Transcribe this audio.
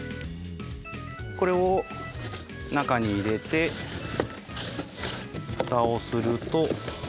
これを中に入れて蓋をすると。